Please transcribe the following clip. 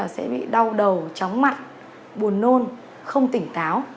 sẽ bị đau đầu chóng mặt buồn nôn không tỉnh táo